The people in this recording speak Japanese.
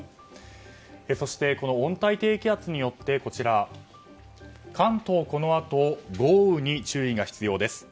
そしてこの温帯低気圧によって関東このあと豪雨に注意が必要です。